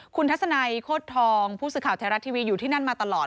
คุณทัศนัยโคตรทองผู้สื่อข่าวไทยรัฐทีวีอยู่ที่นั่นมาตลอด